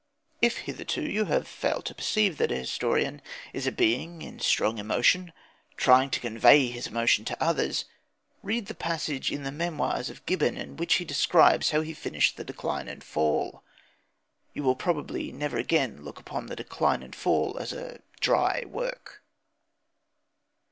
If hitherto you have failed to perceive that a historian is a being in strong emotion, trying to convey his emotion to others, read the passage in the Memoirs of Gibbon, in which he describes how he finished the Decline and Fall. You will probably never again look upon the Decline and Fall as a "dry" work.